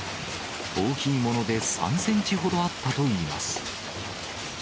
大きいもので３センチほどあったといいます。